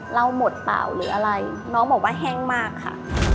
เราหมดเปล่าหรืออะไรน้องบอกว่าแห้งมากค่ะ